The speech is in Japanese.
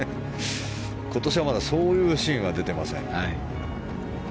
今年はまだそういうシーンは出ていません。